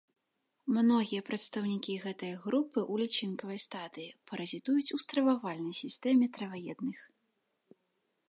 Многія прадстаўнікі гэтай групы ў лічынкавай стадыі паразітуюць у стрававальнай сістэме траваедных.